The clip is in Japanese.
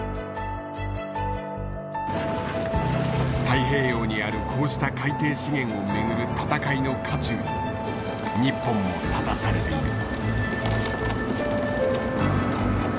太平洋にあるこうした海底資源をめぐる闘いの渦中に日本も立たされている。